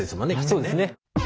そうですね。